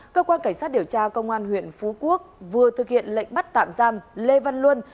cơ quan cảnh sát điều tra công an huyện phú quốc vừa thực hiện lệnh bắt tạm giam lê văn luân